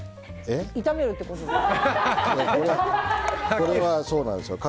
炒めるってことですか？